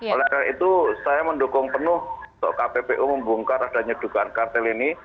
oleh karena itu saya mendukung penuh untuk kppu membongkar adanya dugaan kartel ini